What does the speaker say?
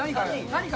何か？